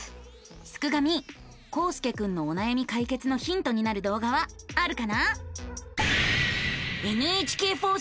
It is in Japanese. すくガミこうすけくんのおなやみ解決のヒントになる動画はあるかな？